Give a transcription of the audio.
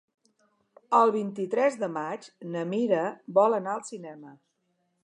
El vint-i-tres de maig na Mira vol anar al cinema.